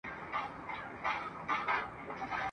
خو ډېر ژر ښځه په سترګو نابینا سوه ..